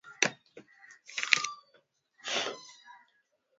Homa kali ni dalili muhimu ya ugonjwa wa ndigana kali